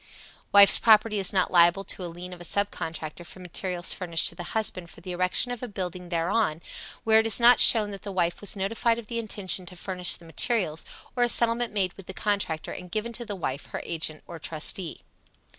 Wife's property is not liable to a lien of a sub contractor for materials furnished to the husband for the erection of a building thereon, where it is not shown that the wife was notified of the intention to furnish the materials, or a settlement made with the contractor and given to the wife, her agent or trustee.